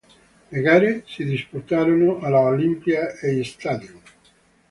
Le gare si disputarono all"'Olympia-Eisstadion".